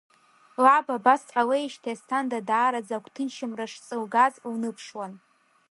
Лаб абас дҟалеижьҭеи Асҭанда даараӡа агәҭынчымра шҵылгаз лныԥшуан.